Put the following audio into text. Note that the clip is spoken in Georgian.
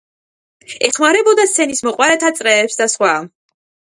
ეხმარებოდა სცენის მოყვარეთა წრეებს და სხვა.